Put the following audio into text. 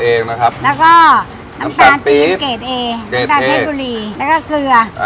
คั่วเองนะครับแล้วก็น้ำตาลปีบเกรดเอเกรดเอแล้วก็เกลืออ่า